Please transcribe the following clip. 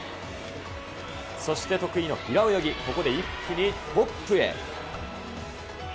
そして得意の平泳ぎ、ここで一気にトップへ。